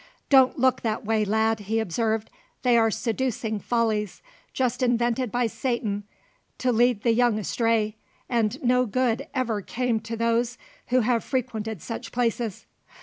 "Don't look that way, lad," he observed; "they are seducing follies, just invented by Satan to lead the young astray, and no good ever came to those who have frequented such places.